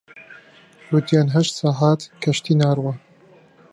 گوتیان هەشت سەعات کەشتی ناڕوا